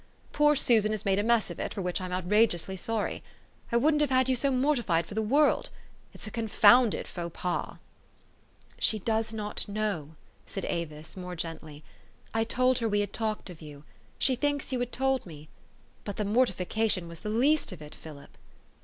Poor Susan has made a mess of it, for which I'm outrageously sorry. I wouldn't have had 3 r ou so mortified for the world ! It's a confounded faux pas !''" She does not know," said Avis more gently. " I told her we had talked of you. She thinks you had told me. But the mortification was the least of it, Philip."